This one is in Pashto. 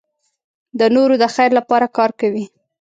د نورو د خیر لپاره کار کوي.